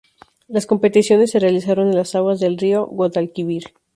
Las competiciones se realizaron en las aguas del río Guadalquivir.